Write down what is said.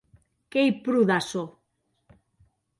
Qu’ei pro d’açò.